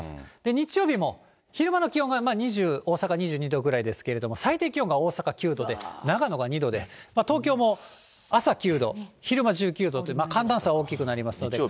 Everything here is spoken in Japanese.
日曜日も昼間の気温が大阪２２度ぐらいですけれども、最低気温が大阪９度で長野が２度で、東京も朝９度、昼間１９度と、寒暖差大きくなりますので。